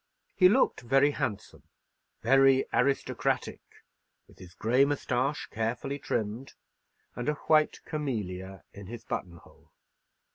He looked very handsome, very aristocratic, with his grey moustache carefully trimmed, and a white camellia in his button hole.